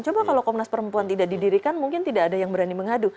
coba kalau komnas perempuan tidak didirikan mungkin tidak ada yang berani mengadu